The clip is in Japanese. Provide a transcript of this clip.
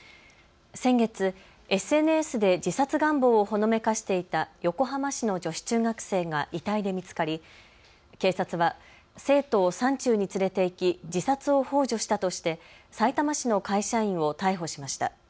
先月、ＳＮＳで自殺願望をほのめかしていた横浜市の女子中学生が遺体で見つかり警察は生徒を山中に連れて行き自殺をほう助したとしてさいたま市の会社員を逮捕しました。